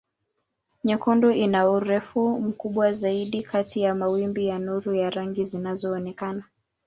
Nyekundu ina urefu mkubwa zaidi kati ya mawimbi ya nuru ya rangi zinazoonekana.